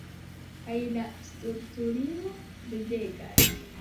Kaj la stultulino ridegas.